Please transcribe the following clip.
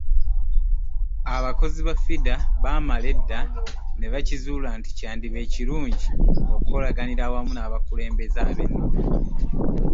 Abakozi ba FIDA baamala edda ne bakizuula nti kyandiba ekirungi okukolaganira awamu n’abakulembeze ab’ennono.